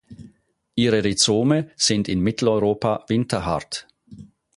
Ihre Rhizome sind in Mitteleuropa winterhart.